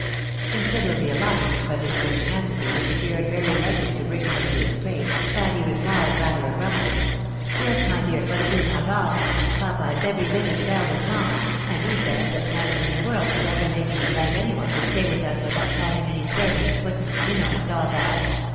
Considerably alarmed by this pertinacity, which appeared very likely to bring her into a scrape, Patty replied rather abruptly, " Yes, my dear, but it is not all : papa is every bit as proud as mamma, and he says that nothing in the world should ever make him invite any one to stay with us without having servants, footmen, you know, and all that.